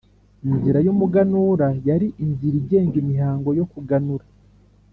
inzira y’umuganura: yari inzira igenga imihango yo kuganura.